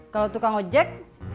kalo tukang ojek